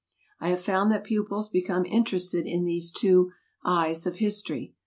I have found that pupils become interested in these two "eyes of history."